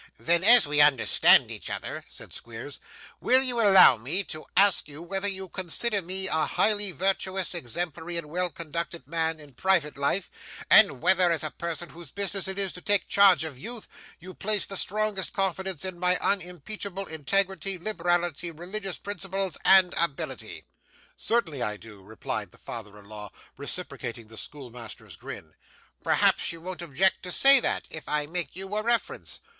'Then, as we understand each other,' said Squeers, 'will you allow me to ask you whether you consider me a highly virtuous, exemplary, and well conducted man in private life; and whether, as a person whose business it is to take charge of youth, you place the strongest confidence in my unimpeachable integrity, liberality, religious principles, and ability?' 'Certainly I do,' replied the father in law, reciprocating the schoolmaster's grin. 'Perhaps you won't object to say that, if I make you a reference?